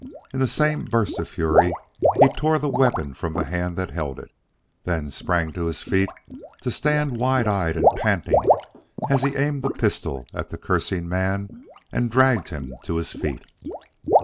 In the same burst of fury he tore the weapon from the hand that held it; then sprang to his feet to stand wild eyed and panting is he aimed the pistol at the cursing man and dragged him to his feet.